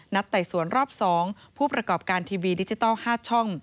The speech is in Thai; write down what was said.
ไต่สวนรอบ๒ผู้ประกอบการทีวีดิจิทัล๕ช่อง